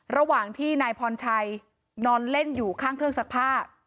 ระหว่างที่นายพรชัยนอนเล่นอยู่ข้างเครื่องซักผ้า